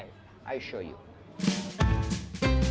saya akan menunjukkan